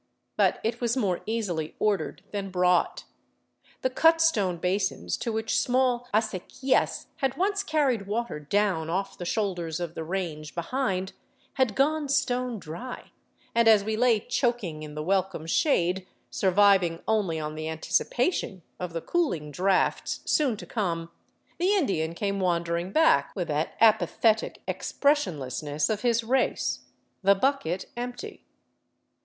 But it was more easily ordered than brought. The cut stone basins to which small aceqitias had once carried water down off the shoulders of the range behind had gone stone dry, and as we lay choking in the welcome shade, surviving only on the anticipation of the cooling draughts soon to come, the Indian came wandering back with that apathetic expression lessness of his race — the bucket empty.